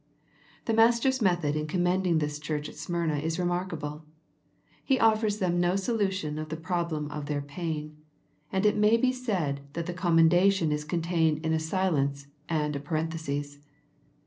The Master's method in commending this church at Smyrna is remarkable. He offers them no solution of the problem of their pain, and it may be said that the commendation is contained in a silence and a parenthesis.